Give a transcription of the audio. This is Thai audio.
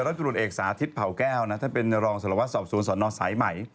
รัฐบุรุณเอกสาธิตผ่าวแก้วถ้าเป็นรองสรวจสอบศูนย์สนสายไหม